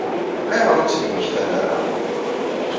Ayɣer ur tt-id-mmektan ara?